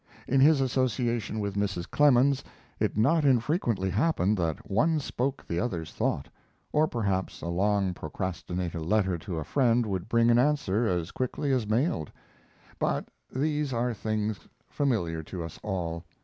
In his association with Mrs. Clemens it not infrequently happened that one spoke the other's thought, or perhaps a long procrastinated letter to a friend would bring an answer as quickly as mailed; but these are things familiar to us all.